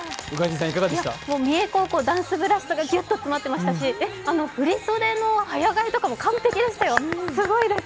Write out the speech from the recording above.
三重高校ダンス部らしさがギュッと詰まってましたしあの振り袖の早替えとかも完璧でしたよ。